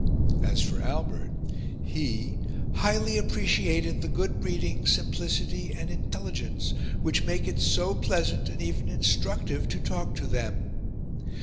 As for Albert he "highly appreciated the good breeding, simplicity, and intelligence, which make it so pleasant and even instructive to talk to them."